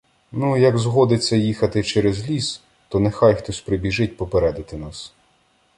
Ну, а як згодиться їхати через ліс, то нехай хтось прибіжить попередити нас.